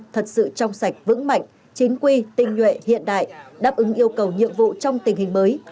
thật sự trong sạch vững mạnh chính quy tinh nhuệ hiện đại đáp ứng yêu cầu nhiệm vụ trong tình hình mới